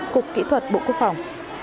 cục kỹ thuật bộ quốc phòng